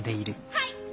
はい！